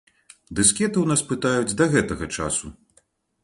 Дыскеты ў нас пытаюць да гэтага часу.